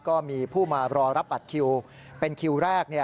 ก็มีผู้มารอรับบัตรคิวเป็นคิวแรก